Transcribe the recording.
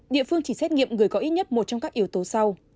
địa phương chỉ xét nghiệm người có ít nhất một trong các yếu tố sau